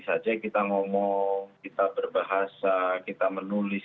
saja kita ngomong kita berbahasa kita menulis